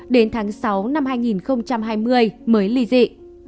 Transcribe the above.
đến tháng sáu năm hai nghìn hai mươi mới ly dị